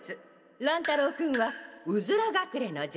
乱太郎君はうずら隠れの術。